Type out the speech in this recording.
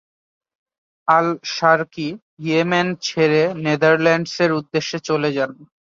Al-Sharqi Yemen ছেড়ে নেদারল্যান্ডসের উদ্দেশ্যে চলে যান।